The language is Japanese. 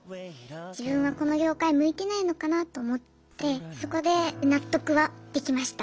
自分はこの業界向いてないのかなと思ってそこで納得はできました。